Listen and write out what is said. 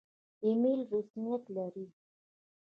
ایمیل رسمیت لري؟